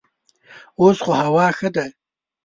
اوس خو هوا ښه ده.